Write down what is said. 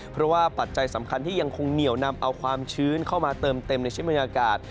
เพราะว่าปัจจัยสำคัญที่ยังคงเหนียวนำเอาความชื้นเข้ามาเติมเต็มในชิ้นบรรยากาศ